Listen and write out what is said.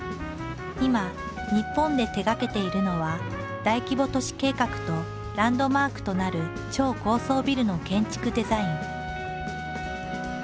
今日本で手がけているのは大規模都市計画とランドマークとなる超高層ビルの建築デザイン。